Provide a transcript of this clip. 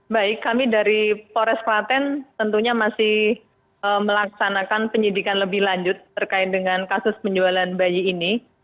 baik kami dari polres klaten tentunya masih melaksanakan penyidikan lebih lanjut terkait dengan kasus penjualan bayi ini